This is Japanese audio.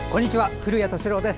古谷敏郎です。